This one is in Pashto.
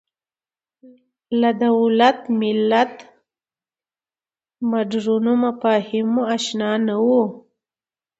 له دولت ملت مډرنو مفاهیمو اشنا نه وو